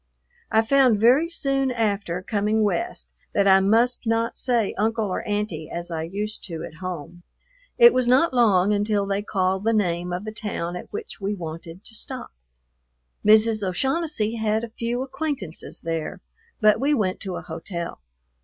I found very soon after coming West that I must not say "Uncle" or "Aunty" as I used to at home. It was not long until they called the name of the town at which we wanted to stop. Mrs. O'Shaughnessy had a few acquaintances there, but we went to a hotel.